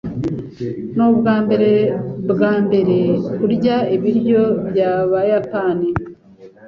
Nubwambere bwambere kurya ibiryo byabayapani?